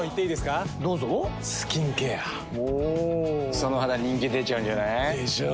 その肌人気出ちゃうんじゃない？でしょう。